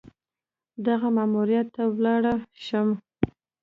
دغه ماموریت ته ولاړه شم.